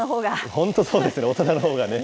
本当そうですね、大人のほうが。